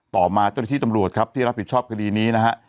ต่อมาเจ้าหน้าที่ตำรวจครับที่รับผิดชอบคดีนี้นะฮะ